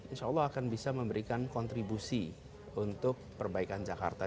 insya allah akan bisa memberikan kontribusi untuk perbaikan jakarta